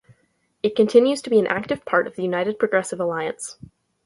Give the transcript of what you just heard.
It continues to be an active part of the United Progressive Alliance.